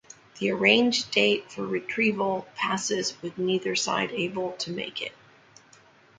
The arranged date for retrieval passes with neither side able to make it.